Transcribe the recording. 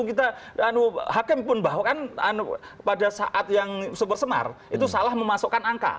kita hakim pun bahwa kan pada saat yang super semar itu salah memasukkan angka